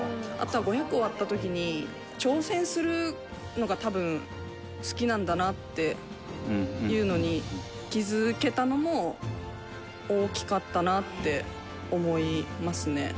あとは、５００終わった時に挑戦するのが、多分好きなんだなっていうのに気付けたのも大きかったなって思いますね。